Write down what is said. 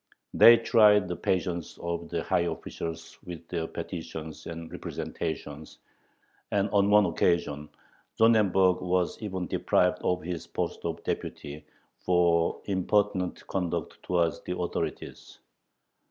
They tried the patience of the high officials with their petitions and representations, and on one occasion Sonnenberg was even deprived of his post of deputy for "impertinent conduct towards the authorities."